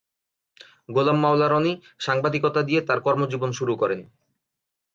গোলাম মাওলা রনি সাংবাদিকতা দিয়ে তার কর্মজীবন শুরু করেন।